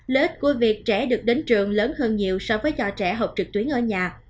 lết của việc trẻ được đến trường lớn hơn nhiều so với do trẻ học trực tuyến ở nhà